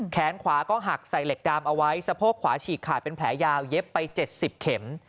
แขนขวาก็หักใส่เหล็กดามเอาไว้สะโพกขวาฉีกขาดเป็นแผลยาวเย็บไป๗๐เข็ม